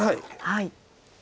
はい。